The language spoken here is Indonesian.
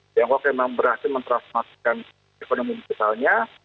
tiongkok memang berhasil mentransformasikan ekonomi digitalnya